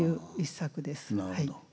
なるほど。